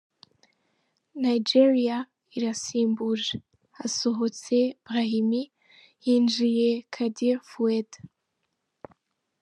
Nigeria irasimbuje hasohotse Brahimi hinjiye Kadir Foued.